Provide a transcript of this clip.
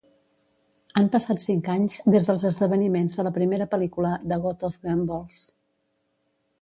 Han passat cinc anys des dels esdeveniments de la primera pel·lícula de "God of Gamblers".